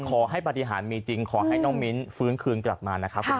ปฏิหารมีจริงขอให้น้องมิ้นฟื้นคืนกลับมานะครับ